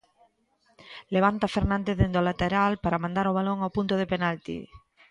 Levanta Fernández dende o lateral para mandar o balón ao punto de penalti.